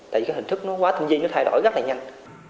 tại vì hình thức nó quá tình di nó thay đổi rất là nhanh